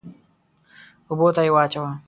اوبو ته يې واچوه.